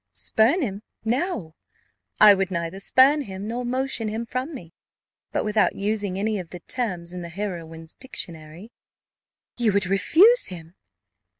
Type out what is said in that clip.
"Spurn him! no I would neither spurn him, nor motion him from me; but without using any of the terms in the heroine's dictionary " "You would refuse him?"